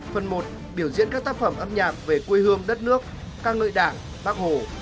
phần một biểu diễn các tác phẩm âm nhạc về quê hươm đất nước các ngợi đảng bắc hồ